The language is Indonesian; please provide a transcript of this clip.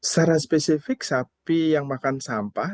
secara spesifik sapi yang makan sampah